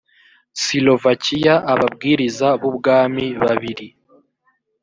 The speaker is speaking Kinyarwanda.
silovakiya ababwiriza b ubwami babiri